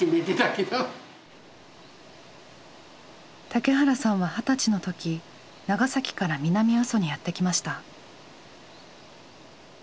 竹原さんは二十歳の時長崎から南阿蘇にやって来ました。